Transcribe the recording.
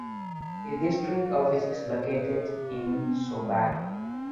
The district office is located in Subang.